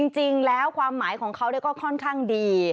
จริงแล้วความหมายของเขาก็ค่อนข้างดี